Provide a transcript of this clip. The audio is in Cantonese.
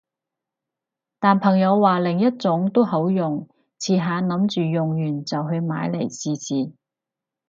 但朋友話有另一種都好用，遲下諗住用完就去買嚟試試